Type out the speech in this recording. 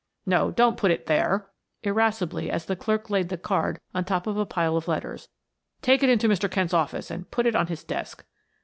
"No, don't put it there," irascibly, as the clerk laid the card on top of a pile of letters. "Take it into Mr. Kent's office and put it on his desk."